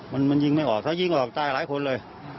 มันยิงไม่ออกถ้ายิงออกตายหลายคนเลย